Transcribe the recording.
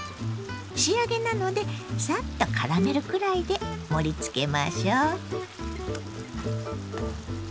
仕上げなのでさっとからめるくらいで盛りつけましょう。